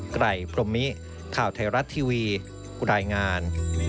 ไกรพรมมิข่าวไทยรัฐทีวีรายงาน